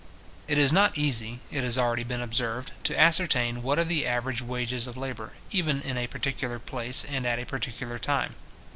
It is not easy, it has already been observed, to ascertain what are the average wages of labour, even in a particular place, and at a particular time.